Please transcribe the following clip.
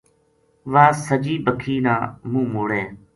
واہ سجی باکھی نا منہ موڑے